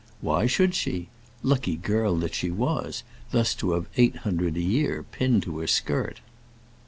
Why should she? Lucky girl that she was, thus to have eight hundred a year pinned to her skirt!